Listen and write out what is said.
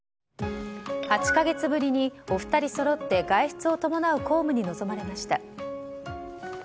８か月ぶりに、お二人そろって外出を伴う公務に臨まれました。